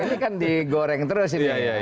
ini kan digoreng terus ini